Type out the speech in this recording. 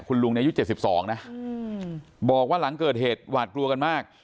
คุณลุงในอายุเจ็บสิบสองนะอืมบอกว่าหลังเกิดเหตุหวาดกลัวกันมาก